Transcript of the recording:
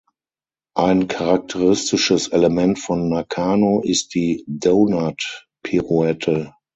Ein charakteristisches Element von Nakano ist die „Donut Pirouette“.